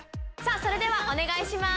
それではお願いします。